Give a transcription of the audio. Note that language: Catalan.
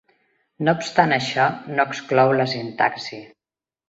No obstant això, no exclou la sintaxi.